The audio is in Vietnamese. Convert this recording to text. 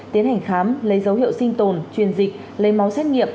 tiến hành khám lấy dấu hiệu sinh tồn truyền dịch lấy máu xét nghiệm